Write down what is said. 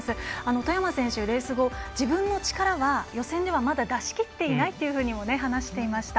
外山選手、レース後、自分の力は予選では、まだ出しきっていないというふうにも話していました。